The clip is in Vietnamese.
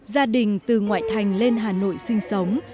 gia đình từ ngoại thành lên hà nội sinh sống